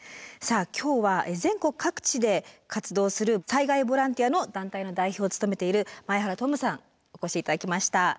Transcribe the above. さあ今日は全国各地で活動する災害ボランティアの団体の代表を務めている前原土武さんお越し頂きました。